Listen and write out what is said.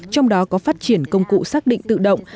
trong đó có phát triển công cụ xác định tự động